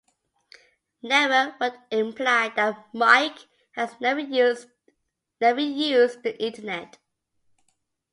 "Never" would imply that Mike has never used the Internet.